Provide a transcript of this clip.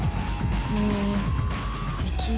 うん石油。